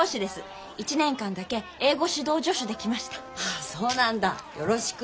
あそうなんだよろしく。